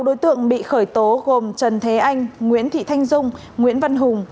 sáu đối tượng bị khởi tố gồm trần thế anh nguyễn thị thanh dung nguyễn văn hùng